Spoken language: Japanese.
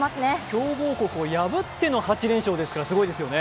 強豪国を破っての８連勝ですからすごいですよね。